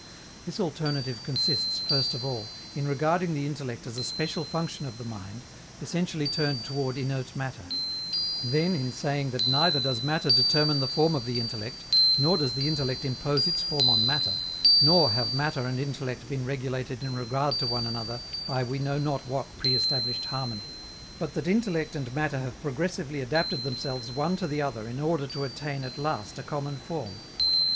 This alternative consists, first of all, in regarding the intellect as a special function of the mind, essentially turned toward inert matter; then in saying that neither does matter determine the form of the intellect, nor does the intellect impose its form on matter, nor have matter and intellect been regulated in regard to one another by we know not what pre established harmony, but that intellect and matter have progressively adapted themselves one to the other in order to attain at last a common form.